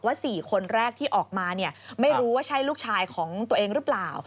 ๔คนแรกที่ออกมาเนี่ยไม่รู้ว่าใช่ลูกชายของตัวเองหรือเปล่า